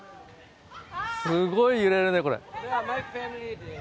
すごい揺れるね、これ。